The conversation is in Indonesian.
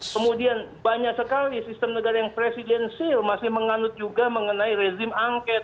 kemudian banyak sekali sistem negara yang presidensil masih menganut juga mengenai rezim angket